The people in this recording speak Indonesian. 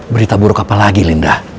berita buruk apa lagi linda